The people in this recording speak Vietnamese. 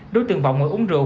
đối tượng vọng uống rượu